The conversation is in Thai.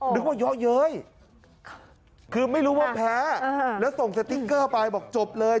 นึกว่าเยอะเย้ยคือไม่รู้ว่าแพ้แล้วส่งสติ๊กเกอร์ไปบอกจบเลย